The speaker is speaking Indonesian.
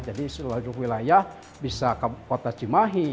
jadi seluruh wilayah bisa kota cimahi